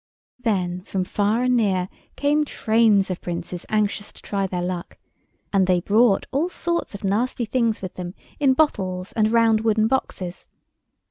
Then from far and near came trains of Princes anxious to try their luck, and they brought all sorts of nasty things with them in bottles and round wooden boxes.